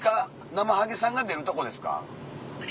ナマハゲさんが出るとこですか？